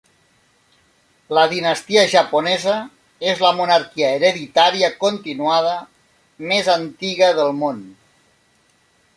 La dinastia japonesa és la monarquia hereditària continuada més antiga del món.